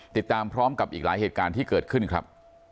ติดตามพร้อมกับอีกหลายเหตุการณ์ที่เกิดขึ้นครับ